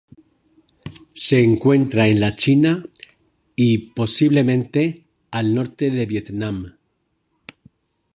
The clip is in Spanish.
Se encuentra en la China y, posiblemente, al norte del Vietnam.